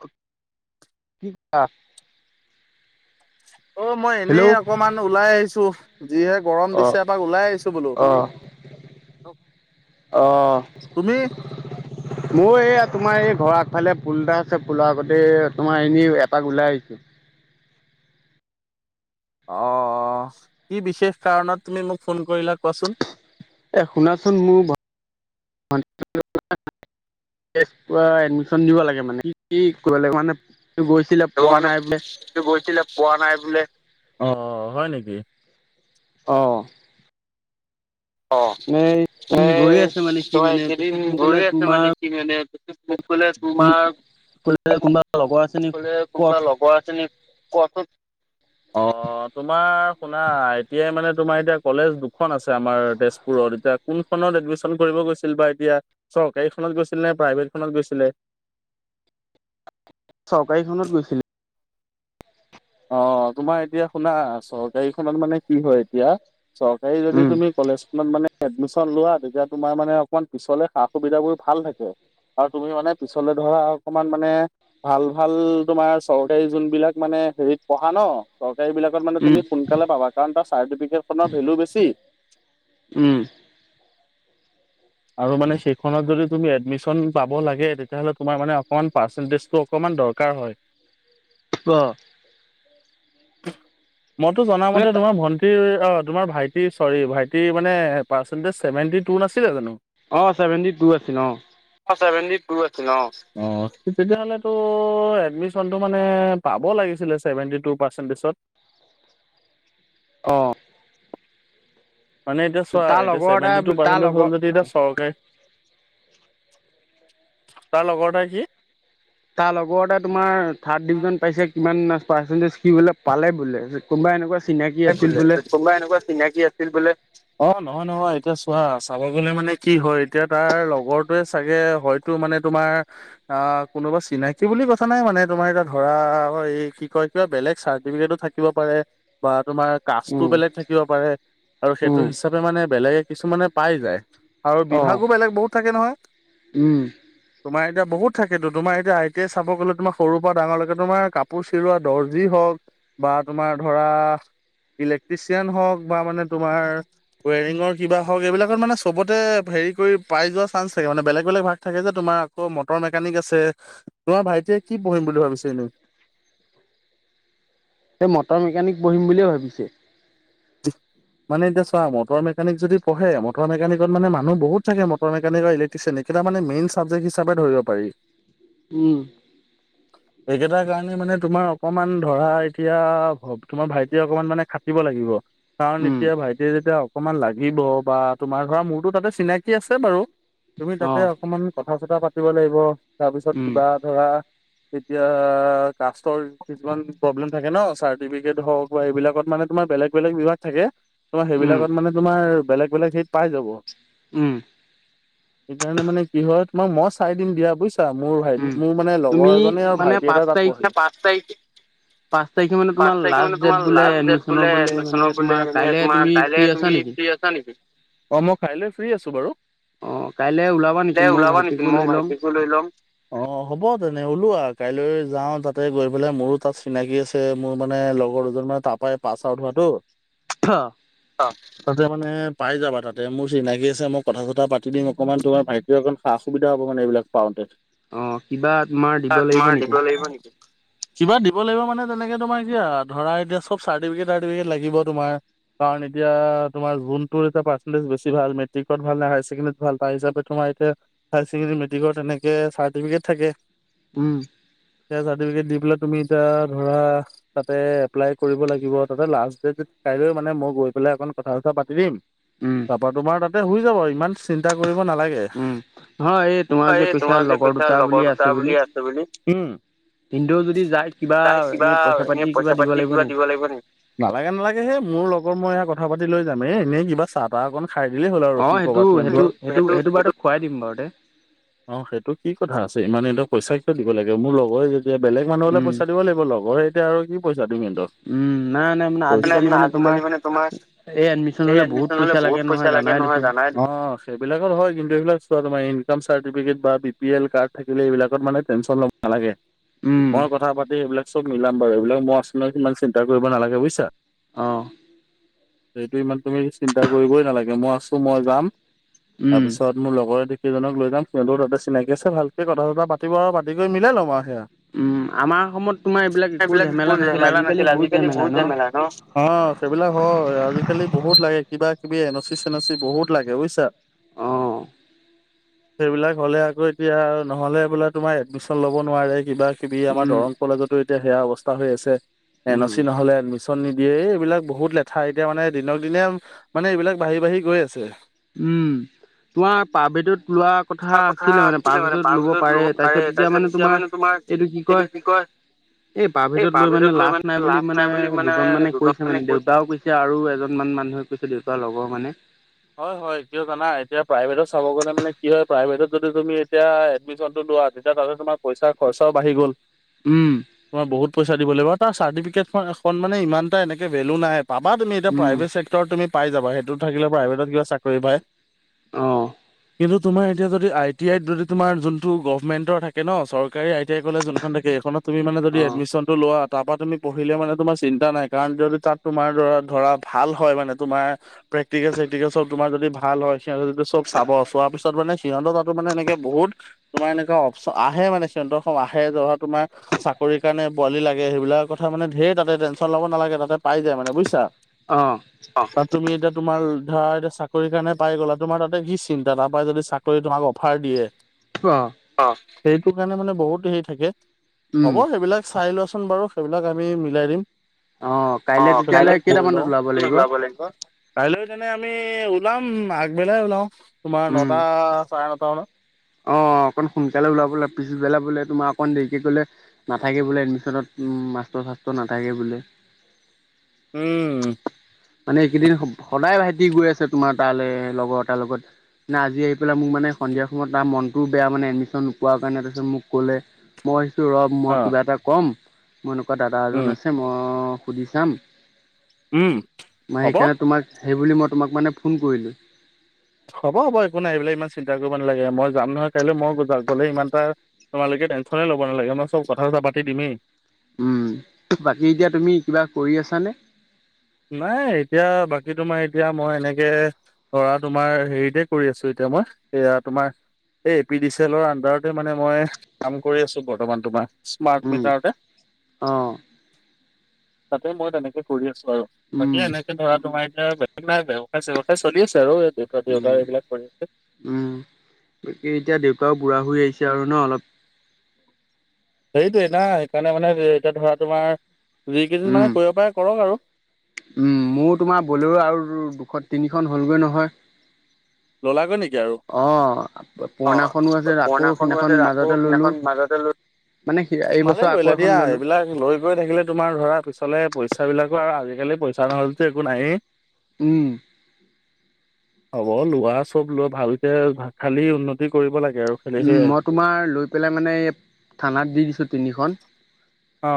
কি কৰিছা? অ মই এনেই অকণ মান ওলাই আহিছো। যিহে গৰম দিছে এপাক ওলাই আহিছো বোলো। অঁহ। মোৰ এইয়া তোমাৰ এই ঘৰ আগফালে ফুল এটা আছে ফুলৰ আগতে তোমাৰ এনে এপাক ওলাই আহিছো। অঁহ, কি বিশেষ কাৰণত তুমি মোক ফোন কৰিলা কোৱাচোন? এ শুনাচোন মোৰ [unintelligible] এডমিশন দিব লাগে মানে কি কি কাগজে মানে- গৈছিলে। ত মানে গৈছিলে পোৱা নাই বোলে, অ হয় নেকি। অ। এ গৈ আছে মানে সি মানে মোক কলে তোমাৰ- মোক কলে কোনবা লগৰ আছে নেকি কত। কোৱাচোন? অ তোমাৰ শুনা আই টি আই মানে তোমাৰ এতিয়া কলেজ দুখন আছে আমাৰ- তেজপুৰত এতিয়া কোনখনত এডমিশন কৰিব গৈছিল বা এতিয়া। চৰকাৰীখনত গৈছিলে নে প্ৰাইভেটখনত গৈছিলে। চৰকাৰীখনত গৈছিলে। অ তোমাৰ এতিয়া শুনা চৰকাৰীখনত মানে কি হয় এতিয়া। চৰকাৰী যদি তুমি কলেজখনত মানে- এডমিশন লোৱা তেতিয়া তোমাৰ মানে অকমান পিছলে সা সুবিধাবোৰ ভাল থাকে। আৰু তুমি মানে পিছলৈ ধৰা অকমান মানে- ভাল ভাল তোমাৰ চৰকাৰী যোনবিলাক মানে- হেৰিত পঢ়া ন চৰকাৰীবিলাকত মানে তুমি সোনকালে পাবা কাৰণ তাৰ চাৰ্টিফিকেটখনৰ ভেলু বেছি। উম। আৰু মানে সেইখনত যদি তুমি এডমিশন পাব লাগে তেতিয়াহ'লে তোমাৰ মানে অকণমান পাৰ্চেন্টেজটো অকণমান দৰকাৰ। কাৰ হয়। ক। মইতো জনা মতে তোমাৰ ভন্টি- ভাইট অ তোমাৰ ভাইটি ছৰি ভাইটিৰ মানে পাৰ্চেণ্টেজ সেভেন্টি টু নাছিলে জানো। অ ছেভেন্টি টু আছিল অ। অ', চেভেণ্টি টু আছিল অ। অ', তেতিয়াহ'লেতো এডমিশনটো মানে পাব লাগিছিলে চেভেন্টি টু পাৰ্চেণ্টেজত। অ'। মানে এতিয়া চোৱা এতিয়া চছেভেণ্টি টু পাৰ্চেণ্টেজ হ'ল যদি এতিয়া চৰকাৰী- তাৰ লগৰ এটা কি? তাৰ লগৰতে তোমাৰ থাৰ্ড ডিভিজন পাইছে কিমান পাৰ্চেন্টেজ সি বোলে পালে বোলে। কোনোবা এনেকুৱা চিনাকি আছিল বোলে। কোনো এনেকুৱ চিনাকি আছে- আছিল বোলে। অ', নহয় নহয় এতিয়া চোৱা চাব গলে মানে কি হয় এতিয়া তাৰ লগৰটোৱে চাগে হয়- টো মানে তোমাৰ- অ', কোনোবা চিনাকি বুলি কথা নাই মানে তোমাৰ এতিয়া ধৰা কি কয় কিবা বেলেগ চাৰ্টিফিকেো থাকে- থাকিব পাৰে বা তোমাৰ কাষ্টটো বেলেগ থাকিব পাৰে। আৰু সেইটো হিচাপে মানে বেলেগে কিছুমানে পাই যায়। আৰু বিভাগো বেলেগ বহুত থাকে নহয় উম', তোমাৰ এতিয়া বহুত থাকেতো তোমাৰ এতিয়া আ টিই চাব গ'লে তোমাৰ সৰুৰ পৰা ডাঙৰ লৈকে তোমাৰ কাপোৰ চিলোৱা দৰ্জি হওক বা তোমাৰ ধৰা ইলেক্ট্ৰিচিয়ান হওক বা মানে তোমাৰ ৱেৰিঙৰ কিবা হওক এইবিলাকত মানে চবতে হেৰি কৰি পাই যোৱা চাঞ্চ থাকে, মানে বেলেগ বেলেগ ভাগ থাকে যে, তোমাৰ আকৌ মটৰ মেকানিক আছে। তোমাৰ ভাইটিয়ে কি পঢ়িম বুলি ভাবিছে এনে মটৰ মেকানিক পঢ়িম বুলি ভাবিছে। [inaudible] মানে এতিয়া চোৱা মটৰ মেকানিক যদি পঢ়ে মটৰ মেকানিকত মানে মানুহ থাকে মটৰ মেকানিক আৰু ই সেইকেইটা মানে মেইন চাবজেক্ট হিচাপে ধৰিব পাৰি। উম এইকেইটাৰ কাৰণে মানে তোমাৰ অকণমান ধৰা এতিয়া তোমাৰ ভাইটিয়ি অকণমান মানে খাটিব লাগিব। কাৰণ এতিয়া ভাইটিয়ে যেতিয়া অকমান লাগিব বা তোমাৰ ধৰা মোৰতো তাতে চিনাকি আছে বাৰু তুমি তাতে অকমান কথা চথা পাতিব লাগিব তাৰপিছত কিবা ধৰা এতিয়া কাষ্টৰ কিছুমান প্ৰব্লেম থাকে। ন চাৰ্টিফিকেট হওক বা এইবিলাকত মানে তোমাৰ বেলেগ বেলেগ বিভাগ থাকে। তোমাৰ সেইবিলাকত মানে তোমাৰ বেলেগ বেলেগ হেইত পাই যাব। উম সেইকাৰণে মানে কি হয়। তোমাক মই চাই দিম দিয়া বুজিছা মোৰো ভাই মোৰ মানে লগৰ এজনে আৰু ভাইটি এটাই তাত পঢ়ি পাঁচ তাৰিখে পাঁচ তাৰিখে মানে তোমাৰ লাষ্ট ডেট বোলে। কাইলে তুমি ফ্ৰি আছা নিকি। অ মই কাইলৈ ফ্ৰী আছো বাৰু ওলাবা নেকি ময় ভাইটিকো লৈ লম। অ', হ'ব তেনে ওলোৱা আৰু কাইলৈ যাওঁ তাতে গৈ পেলাই মোৰো তাত চিনাকি আছে। মোৰ মানে লগৰ দুজন মানে তাপাই পাছ আউট হোৱাটো [unintelligible] অ', তাতে মানে পাই যাবা তাতে মোৰ চিনাকি আছে মই কথা চতা পাতি দিম অকমান তোমাৰ ভাইটিৰ অকমান সা সুবিধা হ'ব মানে এইবিলাক পাওঁতে, তোমাক মই দিব লাগিব নেকি। কিবা দিব লাগিব মানে তেনেকে তোমাৰ এয়া ধৰা এতিয়া চব চাৰ্টিফিকেট টাৰ্টিফিকেট লাগিব তোমাৰ। কাৰণ এতিয়া তোমাৰ যোনটোৰ পাৰ্চেণ্টেজ বেছি ভাল মেট্ৰিকত ভাল নে হায়াৰ ছেকেডী ভাল পায় হিচাপে তোমাৰ এতিয়া হাই চেকেণ্ডেৰী মেট্ৰিকৰ তেনেকে চাৰ্টিফিকেট থাকে। উম', চাৰ্টিফিকেট দি পেলাই তুমি এতিয়া ধৰা তাতে এপ্লাই কৰিব লাগিব তাতে লাষ্ট কাইলৈ মানে মই গৈ পেলাই অকণ কথা চথা পাতি দিম। তাপা তোমাৰ তাতে হৈ যাব ইমান চিন্তা কৰিব নালাগে। এই তোমাৰ যে কৈছা লগৰ দুটা বুলি আছে বুলি, উম। তাই কিবা এনে পইচা পাতি কিবা দিব লাগিব নি। নালাগে নালাগে সেই মোৰ লগত মই এয়া কথা পাতি লৈ যাম এ এনেই কিবা চাহ তাহ অকণ খাই দিলেই হ'ল আৰু ৰখি কবাত অ' সেইটো কি কথা আছে ইমান এয়া পইচা কিয় দিব লাগে মোৰ লগৰে যদি- এতিয়া বেলেগ মানুহ হ'লে পইচা দিব লাগিব লগৰ এতিয়া আৰু কি পইচা দিম সিহঁতক। উম, নাই নাই আজিকালি মানে তোমাৰ এই এডমিশন হ'লে বহুত পইচা লাগে নহয় জানাই দেখোন। অ' সেইবিলাকত হয় কিন্তু এইবিলাক চোৱা তোমাৰ ইনকাম চাৰ্টিফিকেট বা বি পি এল কাৰ্ড থাকিলে এইবিলাক মানে টেনচন নালাগে। মই কথা পাতি এইবিলাক চব মিলাম বাৰু এইবিলাক মই আচতে ইমান চিন্তা কৰিব নালাগে বুজিছা। অ'। সেইটো ইমান তুমি চিন্তা কৰিবই নালাগে মই আছো মই যাম, তাৰপিছত মোৰ লগৰ কেইজনক লৈ যাম সিহঁতৰ তাতে চিনাকি আছে ভালকে কথা চথা পাতিব আৰু পাতি কৰি মিলাই ল'ম আৰু সেয়া। উম, আমাৰ সময়ত তোমাৰ এইবিলাক একো ঝেমেলা নাছিলে আজিকালি বহুত ঝেমেলা ন'। [unintelligible] অ' সেইবিলাক হয় আজিকালি বহুত লাগে কিবা কিবি এনচি চেনচি বহুত লাগে বুজিছা। অ'। সেইবিলাক হ'লে আকৌ এতিয়া নহ'লে বোলে তোমাৰ এডমিশ্যন ল'ব নোৱাৰে কিবা কিবি আমাৰ দৰং কলেজতো এতিয়া সেয়া অৱস্থা হৈ আছে, এন অ চি নহ'লে মিচন নিদিয়ে এই এইবিলাক বহুত লেঠা এতিয়া মানে দিনক দিনে মানে এইবিলাক বাঢ়ি বাঢ়ি গৈ আছে। উম। তোমাৰ পাৰ ভিতত লোৱা কথা আছিলে মানে পাৰ ভদত ল'ব পাৰে তাৰপিছত এতিয়া মানে তোমাৰ এইটো কি কয়, এই প্ৰাইভেটত লৈ মানে লাভ নাই বুলি মানে এ দুজন মানে কৈছে মানে দেউতাও কৈছে আৰু এজন মান মানুহে কৈছে দেউতাৰ লগৰ মানে। হয় হয় কিয় জানা এতিয়া প্ৰাইভেটত চাব গ'লে মানে কি হয় প্ৰাইভেটত যদি তুমি এতিয়া এডমিশনটো লোৱা তেতিয়া তাতে তোমাৰ পইচা খৰচাও বাঢ়ি গ'ল। উম। তোমাৰ বহুত পইচা দিব লাগিব আৰু তাৰ চাৰ্টিফিকেটখন মানে ইমান এটা এনেকৈ ভেলু নাই। পাবা তুমি এতিয়া প্ৰাইভেট চেক্টৰত তুমি পাই যাবা সেইটো থাকিলে প্ৰাইভেটত কিবা চাকৰি পায়। অ'। কিন্তু তোমাৰ এতিয়া যদি আই টি আইত যদি তোমাৰ যোনটো গভমেণ্টৰ থাকে ন' চৰ কৰে আই টি আই কলেজ যোনখন থাকে সেইখনত যদি তুমি এডমিশন লোৱা তাৰ পৰা তুমি পঢ়িলে মানে তোমাৰ চিন্তা নাই কাৰণ যদি তাত তোমাৰ ধৰা ধৰা ভাল হয় মানে তোমাৰ প্ৰেক্টিকেল চেকটিল চব তোমাৰ যদি ভাল হয় সিহঁতি যাতে চব চাব চোৱাৰ পিছত মানে সিহঁতৰ তাতো মানে এনেকে বহুত তোমাৰ এনেকুৱা অপচন আহে মানে সিহত আহে তোমাৰ চাকৰিৰ কাৰণে বোৱালি লাগে সেইবিলাক কথা মানে ধেৰ তাতে টেনশ্যন ল'ব নালাগে তাতে পাই যায় মানে বুজিছা অঁ অঁ তাত তুমি এতিয়া তোমাৰ ধৰা এতিয়া চাকৰি কাৰণে পাই গ'লা তোমাৰ তাতে কি চিন্তা তাৰ পৰাই যদি চাকৰি তোমাক অফাৰ দিয়ে পুুৱ অ সেইটো কাৰণে মানে বহুত হেৰি থাকে হ'ব সেইবিলাক চাই লোৱাচোন বাৰু সেইবিলাক আমি মিলাই দিম [unintelligible] কাইলৈ তেনে আমি ওলাম আগবেলাই ওলাওঁ, তোমাৰ নটা চাৰে নটা মানত। অ' অকণ সোনকালে ওলাবলে পিছবেলা বোলে তোমাৰ অকণ দেৰিকে গ'লে নাথাকে বোলে এডমিশ্যনত মাষ্টৰ চাষ্টৰ নাথাকে বোলে। উম। মানে এইকেইদিন স সদায় ভাইটি গৈ আছে তোমাৰ তালৈ লগৰ তাৰ লগত। নে আজি আহি পেলাই মোক মানে সন্ধিয়া সময়ত তাৰ মনটোও বেয়া মানে এডমিশন নোপোৱাৰ কাৰণে তাৰপছত মোক ক'লে। মই ৰ মই কিবা এটা ক'ম মোৰ এনেকুৱা দাদা এজন আছে মই সুধি চাম। উম। মই সেইকাৰণে তোমাক সেই বুলি মই তোমাক মানে ফোন কৰিলোঁ। হ'ব হ'ব একো নাই এইবিলাক ইমান চিন্তা কৰিব নালাগে, মই যাম নহয় কাইলৈ মই গ'লেই ইমান এটা তোমালোকে টেনচনে ল'ব নালাগে মই চব কথা চথা পাতি দিমেই। উম বাকী এতিয়া তুমি কিবা কৰি আছানে? নাই এতিয়া বাকী তোমাৰ এতিয়া মই এনেকে ধৰা তোমাৰ হেৰিতে কৰি আছো এতিয়া মই, এয়া তোমাৰ এই এ পি ডি চে এলৰ আণ্ডাৰতে মানে মই কাম কৰি আছোঁ বৰ্তমান তোমাৰ। স্মাৰ্ট মিটাৰতে, তাতে মই তেনেকৈ কৰি আছোঁ আৰু। বাকী এনেকে ধৰা তোমাৰ এতিয়া বেলেগ নাই ব্যৱসায় চেব্যৱসায় চলি আছে আৰু দেউতা দেউতাৰ এইবিলাক কৰি আছে। উম বাকী এতিয়া দেউতাও বুঢ়া হৈ আহিছে আৰু ন অলপ। হেৰিটো এ না সেইকাৰণে মানে এতিয়া ধৰা তোমাৰ যিকেইদিন মানে কৰিব পাৰে কৰক আৰু। উম মোৰো তোমাৰ বলেৰো আৰু দুখন তিনিখন হ'লগৈ নহয়। অ পুৰণাখনো আছে আকৌ সেইদিনাখন মাজতে ললোঁ। মানে সে এইবছৰ আকৌ এখন ললো। লৈ গৈ থাকিলে তোমাৰ ধৰা পিছলে পইচা বিলাকো আৰু আজিকালি পইচা নহলেতো একো নায়েই। উম হ'ব লোৱা চব লোৱা ভালকে খালি উন্নতি কৰিব লাগে। উম! মই তোমাৰ লৈ পেলাই মানে থানাত দি দিছোঁ তিনিখন। অ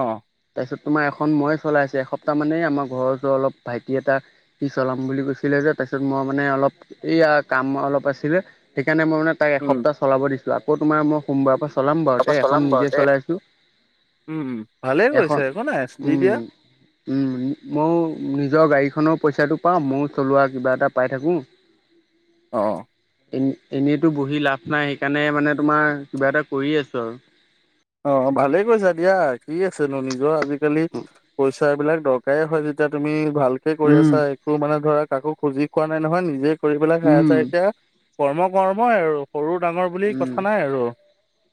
তাৰপিছত তোমাৰ এখন ময়ে চলাই আছে এপ্তাহমানেই আমাৰ ঘৰ ওচৰত অলপ ভাইটি এটা। সি চলাম বুলি কৈছিলে যে পাছত মই মানে অলপ এইয়া কাম অলপ আছিলে সেইকাৰণে মই মানে তাক এসপ্তাহ চলাব দিছোঁ, আকৌ তোমাৰ মই সোমবাৰৰ পৰা চলাম বাৰু তে এখন নিজে চলাই আছোঁ। উম! উম! ভালেই কৰিছা একো নাই এছ দি দিয়া। উম উম মইয়ো নিজৰ গাড়ীখনৰ পইচাটো পাম মইয়ো চলোৱা কিবা এটা পাই থাকোঁ। [unintelligible] অ। এনে এনেইতো বহি লাভ নাই সেইকাৰণে মানে তোমাৰ কিবা এটা কৰি আছো আৰু। অ ভালে কৰিছা দিয়া কি আছেনো নিজৰ আজিকালি। পইচা বিলাক দৰকাৰে হয় যেতিয়া তুমি ভাল একে কৰি আছা একো মানে ধৰা কাকো খুজি খোৱা নাই নহয়, নিজে কৰি পেলাই খাই আছা। এতিয়া কৰ্ম কৰ্মই আৰু সৰু ডাঙৰ বুলি কথা নাই আৰু,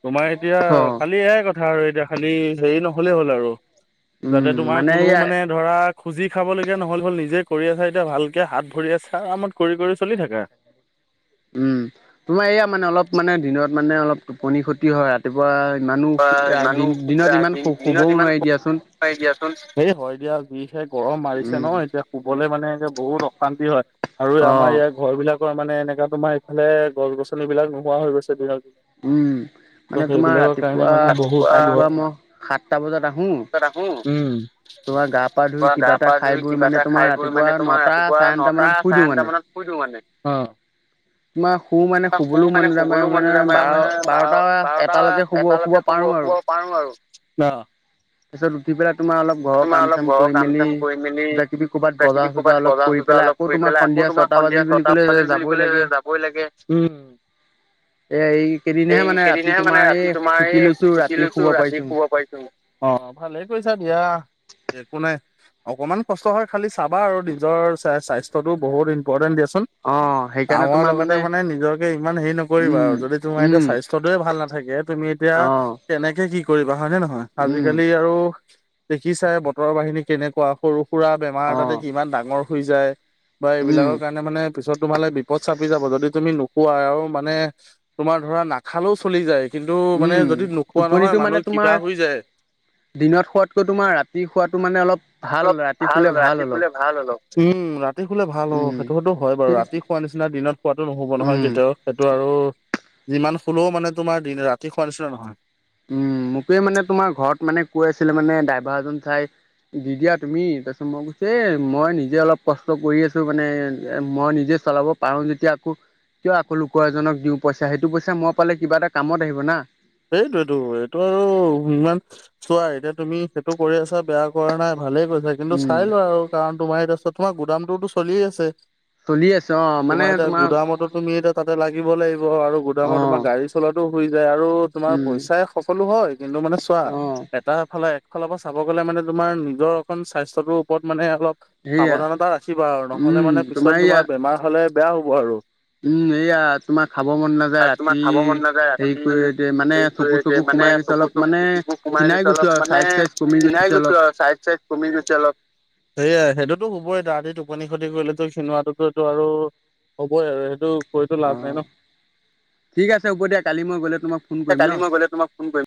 তোমাৰ এতিয়া খালি এয়াই কথা আৰু এতিয়া খালি হেৰি নহলেই হ'ল আৰু যাতে তোমাৰ কোনো মানে ধৰা খুজি খাবলগীয়া নহ'ল হ'ল নিজে কৰি আছা এতিয়া ভালকে হাত ভৰি আছা আৰামত কৰি কৰি চলি থাকা। উম তোমাৰ এয়া মানে অলপ মানে দিনত মানে অলপ টোপনি খতি হয়। ৰাতিপুৱা ইমানো দিনত ইমানো শুবও নোৱাৰি দিয়াচোন। দিয়াচোন এই হয় দিয়া যিহে গৰম মাৰিছে ন এতিয়া। শুবলে মানে এনেকে বহুত অশান্তি হয় আৰু আমাৰ ইয়াত ঘৰ বিলাকৰ মানে এনেকা তোমাৰ ইফালে গছ- গছনিবলাক নোহোৱা হৈ গৈছে দিনক দি উম মানে তোমাৰ ৰাতি ম ব ৰাখ উ [unintelligible] পৰা গা পা ধুই কিবা এটা খাই বৈ মানে তোমাৰ ৰাতিপুৱা নটা চাৰে নটা মানত শুই দিওঁ মানে। অ তোমাৰ শুও মানে শুবলৈও মন নাযাব মানে বাৰ বাৰটা এটালৈকে এটালৈকে শুব শুব পাৰোঁ আৰু। তোমাৰ অলপ ঘৰৰ কাম চাম কৰি মেলি, কিবা কিবি ক'বাত বজা চজা অলপ শুই পেলাই আকৌ তোমাৰ সন্ধিয়া ছটা বাজিল বুলি কলে যাবই লাগে উম এ এই কেইদিনহে মানে ৰাতি তোমাৰ এই তোমাৰ এই চুটি লৈছো ৰাতিপোৱা পাইছো অ ভালেই কৈছা দিয়া একো নাই অকমান কষ্ট হয় খালি চাবা আৰু নিজৰ চা স্বাস্থ্যটো বহুত ইম্পৰ্টেণ্ট দিয়াচোন অ কামৰ লগতে মানে নিজকে ইমান হেৰি নকৰিবা আৰু যদি তোমাৰ এতিয়া স্বাস্থ্যটোয়ে ভাল নাথাকে তুমি এতিয়া কেনেকে কি কৰিবা হয় নে নহয় আজিকালি আৰু দেখিছাই বতৰৰ বাহিনী কেনেকুৱা সৰু সুৰা বেমাৰ এটাতে কিমান ডাঙৰ হৈ যায় বা এইবিলাকৰ কাৰণে মানে পিছত তোমালে বিপদ চাপি যাব যদি তুমি নোকোৱাই আৰু মানে তোমাৰ ধৰা নাখালেও চলি যায় কিন্তু মানে যদি নোখোৱা নহয় মানুহ কিবা হৈ যায় দিনত শোৱাতকৈ তোমাৰ ৰাতি শোৱাটো মানে অলপ ভাল ৰাতি শুলে ভাল অলপ ভাল অলপ উম ৰাতি শুলে ভাল হ'ব সেইটো সতো হয় বাৰু ৰাতি শুৱা নিচিনা দিনত শুৱাটো নহ'ব নহয় কেতিয়াও সেইটো আৰু যিমান শুলও মানে তোমাৰ দিন ৰাতি শুৱা নিছিনা নহয় উম মোকোৱে মানে তোমাৰ ঘৰত মানে কৈ আছিলে মানে ড্ৰাইভাৰ এজন চাই দি দিয়া তুমি তাৰপিছত মই কৈছ এ মই নিজে অলপ কষ্ট কৰি আছো মানে এ মই নিজে চলাব পাৰো যেতিয়া আকৌ কিয় আকৌ লোকৰ এজনক দিওঁ পইচা সেইটো পইচা মই পালে কিবা এটা কামত আহিব না এইটোৱে টো এইটো আৰু ইমান চোৱা এতিয়া তুমি সেইটো কৰি আছা বেয়া কৰা নাই ভালেই কৈছা কিন্তু চাই লোৱা আৰু কাৰণ তোমাৰ এতিয়া তোমাৰ গুদামটোওতো চলিয়ে আছে তোমাৰ এতিয়া গোধামতো তুমি এটাত তাতে লাগিব লাগিব আৰু গুধামত তোমাৰ গাড়ী চলাটো হৈ যায় আৰু তোমাৰ পইচাই সকলো হয় কিন্তু মানে চোৱা তাৰ ফালে একফালৰ পৰা চাব গ'লে মানে তোমাৰ নিজৰ অকণ স্বাস্থ্যটোৰ ওপৰত মানে অলপ সাৱধানতা ৰাখিবা আৰু নহলে মানে পিছত তোমাৰ বেমাৰ হলে বেয়া হ'ব আৰু উম এইয়া তোমাৰ খাব মন নাযায় ৰাতি হেৰি কৰি তে মান নে চকু চকু সোমাই গৈছে অলপ মানে খিনাই গৈছো আৰু চাইজ চাইজ কমি গৈছে অলপ চাই চাইত কমি গৈছে অলপ সেয়াই সেইটোতো হ'বই ত ৰাতি টোপনি খতি কৰিলেতো খিনোৱাটো টো আৰু হ'বই আৰু সেইটো কৰি তু লাভ নাই ন ঠিক আছে হব দিয়া কালি মই গ'লে তোমাক এ কালি মই গলে তোমাক ফোন কৰিম